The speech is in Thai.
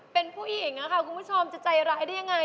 เป็นผู้หญิงค่ะคุณผู้ชมจะใจร้ายได้ยังไง